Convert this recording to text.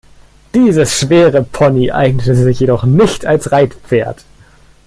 Dieses schwere Pony eignete sich jedoch nicht als Reitpferd.